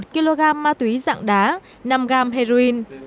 một kg ma túy dạng đá năm gram heroin